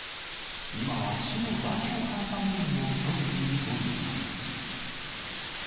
今は市の代表監査委員を務めているといいます。